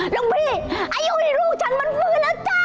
ลูกมีไอ้อุ้ยลูกฉันมันฟื้นแล้วจ้า